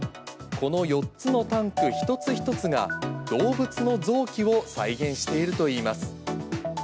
この４つのタンク一つ一つが、動物の臓器を再現しているといいます。